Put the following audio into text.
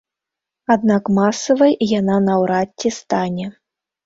Аднак масавай яна наўрад ці стане.